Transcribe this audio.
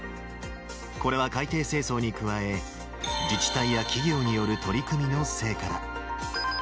これは海底清掃に加え、自治体や企業による取り組みの成果だ。